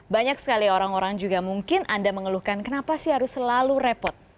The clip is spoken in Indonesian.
banyak sekali orang orang juga mungkin anda mengeluhkan kenapa sih harus selalu repot